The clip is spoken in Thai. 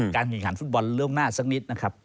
แข่งขันฟุตบอลเรื่องหน้าสักนิดนะครับ